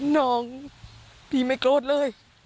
น้องพี่ไม่โกรธเลย